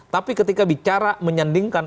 tapi ketika bicara menyandingkan